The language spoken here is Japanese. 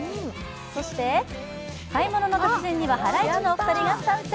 そして「買い物の達人」にはハライチのお二人が参戦。